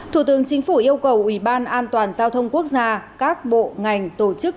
thủ tướng chính phủ yêu cầu ủy ban an toàn giao thông quốc gia các bộ ngành tổ chức